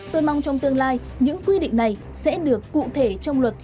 tôi mong trong tương lai những quy định này sẽ được cụ thể trong luật